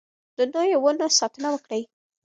د نويو ونو ساتنه وکړئ.